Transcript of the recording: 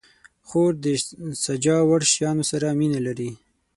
خور د سجاوړ شیانو سره مینه لري.